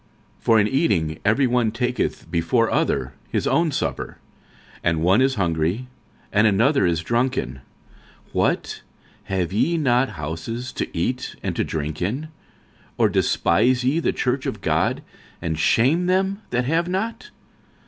46:011:021 For in eating every one taketh before other his own supper: and one is hungry, and another is drunken. 46:011:022 What? have ye not houses to eat and to drink in? or despise ye the church of God, and shame them that have not?